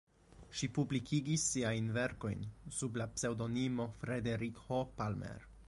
Ŝi publikigis siajn verkojn sub la pseŭdonimo Frederik H. Palmer.